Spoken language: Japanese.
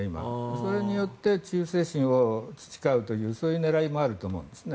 それによって忠誠心を誓うというそういう狙いもあると思うんですね。